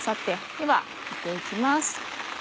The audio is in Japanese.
では見て行きます。